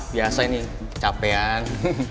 biasa ini capean